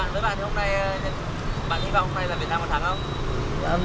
với bạn thì hôm nay bạn hy vọng hôm nay là việt nam có thắng không